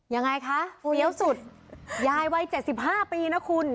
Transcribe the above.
ยังไงคะฟูเลี้ยวสุดยายวัย๗๕ปีนะคุณ